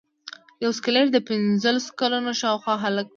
یو سکلیټ د پنځلسو کلونو شاوخوا هلک و.